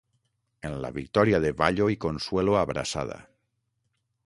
En la victòria de Vallo i Consuelo abraçada.